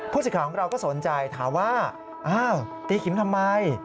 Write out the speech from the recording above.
ผู้สิทธิ์ข่าวของเราก็สนใจถามว่าตีขิมทำไม